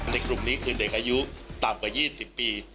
กลุ่มนี้คือเด็กอายุต่ำกว่า๒๐ปี